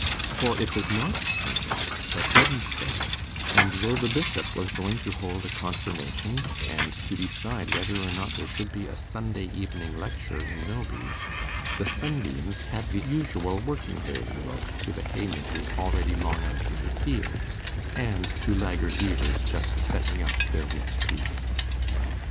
For it was not Sunday, but Wednesday; and though the Bishop was going to hold a Confirmation, and to decide whether or not there should be a Sunday evening lecture in Milby, the sunbeams had the usual working day look to the haymakers already long out in the fields, and to laggard weavers just 'setting up' their week's 'piece'.